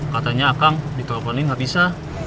katanya kang diteleponin gak bisa